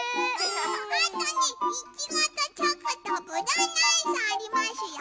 あとねいちごとチョコとぶどうのアイスありますよ。